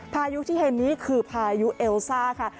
พายุที่เห็นนี้คือพายุเอลซ่าค่ะ